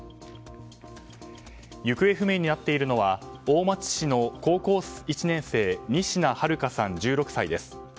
行方不明になっているのは大町市の高校１年生仁科日花さん、１６歳です。